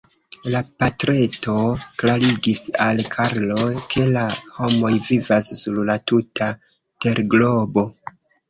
La patreto klarigis al Karlo, ke la homoj vivas sur la tuta terglobo.